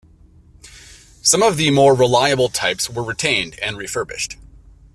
Some of the more reliable types were retained and refurbished.